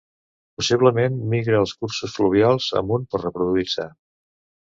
Possiblement migra els cursos fluvials amunt per reproduir-se.